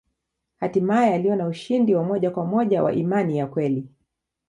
Hatimaye aliona ushindi wa moja kwa moja wa imani ya kweli.